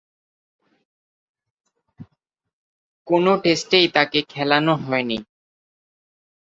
কোন টেস্টেই তাকে খেলানো হয়নি।